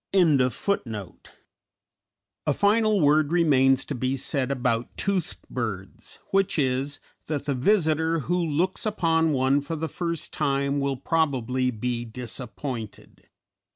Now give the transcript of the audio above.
_ A final word remains to be said about toothed birds, which is, that the visitor who looks upon one for the first time will probably be disappointed.